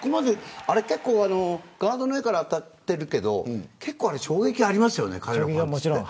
ガードの上から当たってるけど結構、衝撃ありますよね。